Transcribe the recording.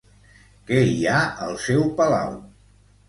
Què hi ha al seu palau?